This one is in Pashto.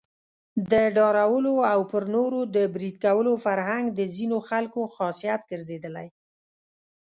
د ډارولو او پر نورو د بريد کولو فرهنګ د ځینو خلکو خاصيت ګرځېدلی.